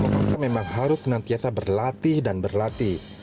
masukan musuh seperti kopaska memang harus senantiasa berlatih dan berlatih